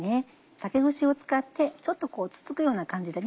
竹串を使ってちょっとこうつつくような感じでね